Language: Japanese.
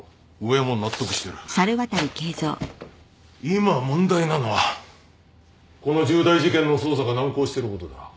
今問題なのはこの重大事件の捜査が難航してることだ。